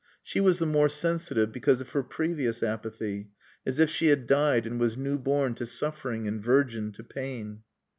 She was the more sensitive because of her previous apathy, as if she had died and was new born to suffering and virgin to pain.